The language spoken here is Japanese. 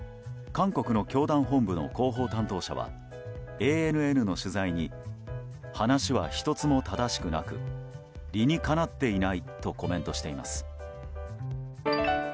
韓国の教団本部の広報担当者はＡＮＮの取材に話は１つも正しくなく理にかなっていないとコメントしています。